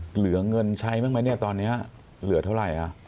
เหลือเงินใช้บ้างไหมเนี่ยตอนนี้เหลือเท่าไหร่